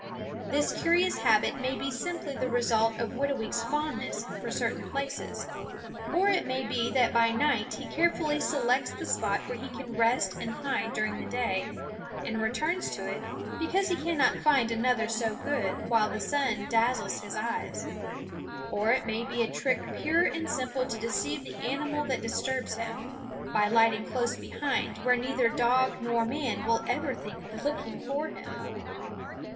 This curious habit may be simply the result of Whitooweek's fondness for certain places; or it may be that by night he carefully selects the spot where he can rest and hide during the day, and returns to it because he cannot find another so good while the sun dazzles his eyes; or it may be a trick pure and simple to deceive the animal that disturbs him, by lighting close behind where neither dog nor man will ever think of looking for him.